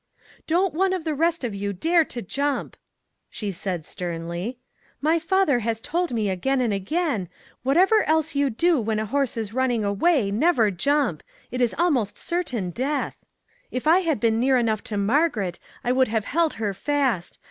" Don't one of the rest of you dare to jump !" she said sternly. " My father has told me again and again, ' Whatever else you do when a horse is running away, never jump ; it is almost certain death.' If I had been near enough to Margaret, I would have held her fast.